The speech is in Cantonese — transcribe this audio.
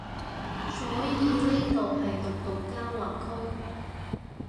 所以呢度係毒毒交流區